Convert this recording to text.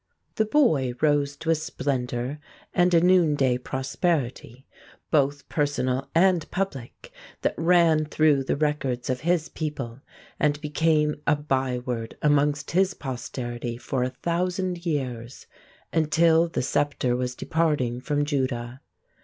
The boy rose to a splendor and a noonday prosperity, both personal and public, that rang through the records of his people, and became a by word amongst his posterity for a thousand years, until the sceptre was departing from Judah.